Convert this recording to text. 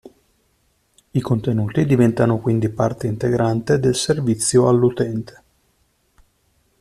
I contenuti diventano quindi parte integrante del servizio all'utente.